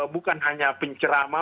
bukan hanya pencerama